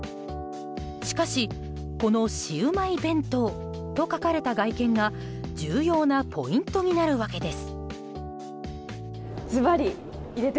しかし、このシウマイ弁当と書かれた外見が重要なポイントになるわけです。